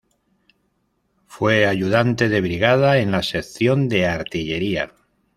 Fue ayudante de brigada en la sección de artillería.